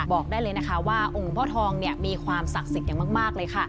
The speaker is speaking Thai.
บอกได้เลยนะคะว่าองค์หลวงพ่อทองมีความศักดิ์สิทธิ์อย่างมากเลยค่ะ